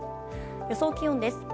予想気温です。